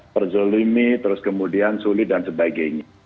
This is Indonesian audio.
terzolimi terus kemudian sulit dan sebagainya